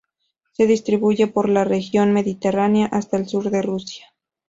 Se distribuye por la región mediterránea hasta el sur de Rusia.